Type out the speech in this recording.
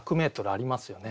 ありますね。